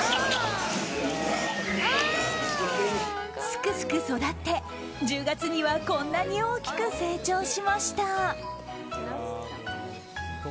すくすく育って、１０月にはこんなに大きく成長しました。